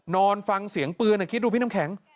นอนฟังเสียงปืนคิดดูพี่น้ำแข็ง